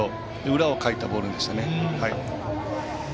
裏をかいたボールでしたね。